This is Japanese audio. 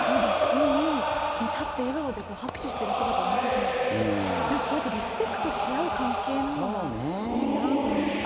のに、立って笑顔で拍手している姿を見てしまってこうやってリスペクトし合う関係なのがいいなって思いました。